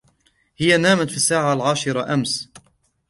هي نامت في الساعة العاشرة أمس.